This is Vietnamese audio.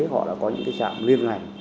họ đã có những cái trạm liên hành